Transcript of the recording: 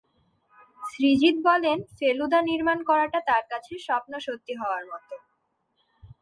সৃজিত বলেন ফেলুদা নির্মাণ করাটা তার কাছে স্বপ্ন সত্যি হওয়ার মত।